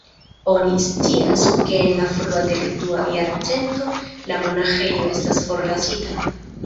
Oni scias ke en la frua dek-dua jarcento la monaĥejo estas forlasita.